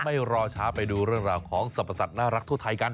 ไม่รอช้าไปดูเรื่องราวของสรรพสัตว์น่ารักทั่วไทยกัน